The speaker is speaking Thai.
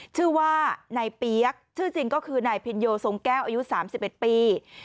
ชื่อว่านายเปี๊ยกชื่อจริงก็คือนายพินโยทรงแก้วอายุ๓๑ปี